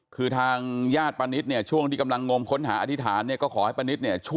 คือทางญาติปะนิดเนี่ยช่วงที่กำลังงมค้นหาอธิษฐาน